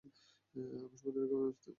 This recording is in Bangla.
আকাশ প্রতিরক্ষা ব্যবস্থা।